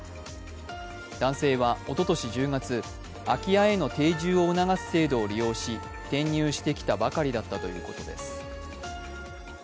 男性はおととし１０月空き家への定住を促す制度を利用し転入してきたばかりだったということです。